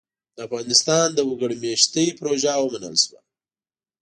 د افغانستان د وګړ مېشتۍ پروژه ومنل شوه.